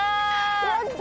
やった！